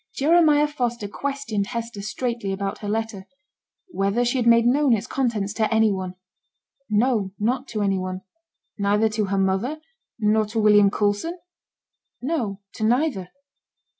Jeremiah Foster questioned Hester straitly about her letter: whether she had made known its contents to any one. No, not to any one. Neither to her mother nor to William Coulson? No, to neither.